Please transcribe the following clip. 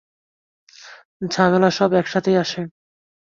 ঝামেলা সব একসাথেই আসে।